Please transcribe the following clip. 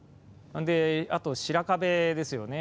あと、白壁ですよね。